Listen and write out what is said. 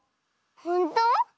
ほんと？